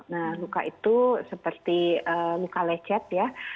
nah luka itu seperti luka lecet ya